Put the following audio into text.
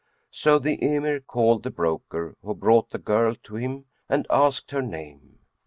So the Emir called the broker, who brought the girl to him, and asked her her name.